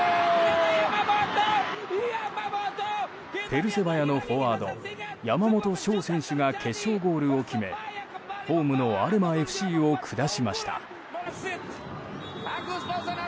ペルセバヤのフォワード山本奨選手が決勝ゴールを決めホームのアレマＦＣを下しました。